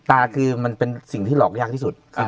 ตาคือมันเป็นสิ่งที่หลอกยากที่สุด